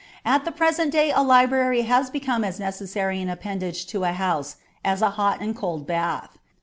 At the present day a library has become as necessary an appendage to a house as a hot and cold bath.